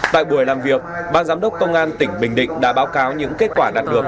tại buổi làm việc ban giám đốc công an tỉnh bình định đã báo cáo những kết quả đạt được